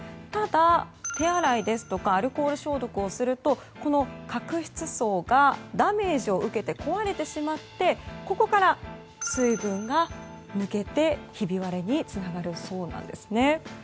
ただ、手洗いですとかアルコール消毒をするとこの角質層がダメージを受けて壊れてしまってここから水分が抜けてひび割れにつながるそうなんです。